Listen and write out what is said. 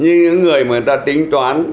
nhưng những người mà người ta tính toán